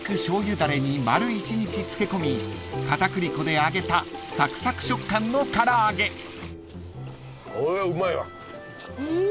だれに丸１日漬け込み片栗粉で揚げたサクサク食感の唐揚げ］ん！